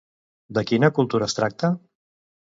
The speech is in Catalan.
De quina cultura es tracta?